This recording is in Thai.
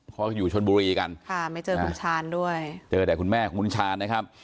เขาก็อยู่ชนบุรีกันค่ะไม่เจอคุณชาญด้วยเจอแต่คุณแม่ของคุณชาญนะครับ